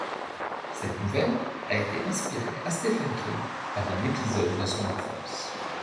Cette nouvelle a été inspirée à Stephen King par un épisode de son enfance.